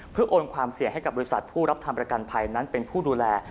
เพื่อโอนความเสี่ยงให้กับบริษัทผู้รับทำประกันภัยนั้นเป็นผู้ดูแล